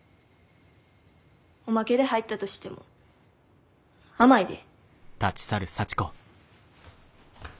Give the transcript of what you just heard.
おまけで入ったとしても甘いで。